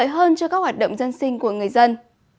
hoạt động dân sinh của người dân